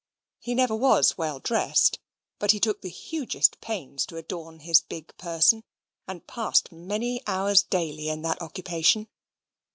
He never was well dressed; but he took the hugest pains to adorn his big person, and passed many hours daily in that occupation.